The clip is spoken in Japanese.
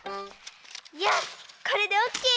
よしこれでオッケー。